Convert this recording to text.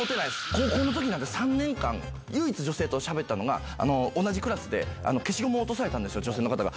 高校のときなんて、３年間、唯一女性としゃべったのが、同じクラスで、消しゴム落とされたんですよ、女性の方が。